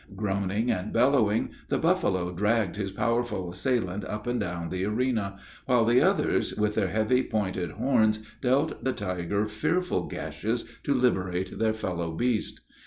Groaning and bellowing, the buffalo dragged his powerful assailant up and down the arena; while the others, with their heavy, pointed horns, dealt the tiger fearful gashes, to liberate their fellow beast.